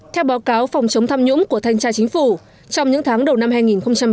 theo báo cáo phòng chống tham nhũng của thanh tra chính phủ trong những tháng đầu năm hai nghìn một mươi chín